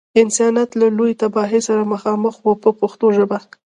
انسانیت له لویې تباهۍ سره مخامخ و په پښتو ژبه.